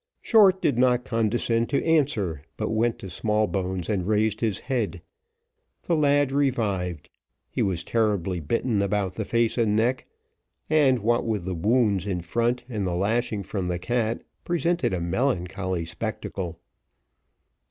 Short did not condescend to answer, but went to Smallbones and raised his head. The lad revived. He was terribly bitten about the face and neck, and what with the wounds in front, and the lashing from the cat, presented a melancholy spectacle.